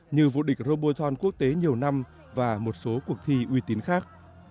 như vũ địch roboton quốc tế nhiều năm và một số cuộc thi uy tín khác